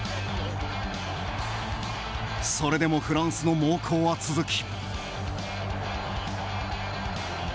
それでもフランスの猛攻は続き。